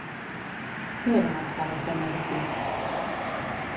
Qui eren els pares de Mèropis?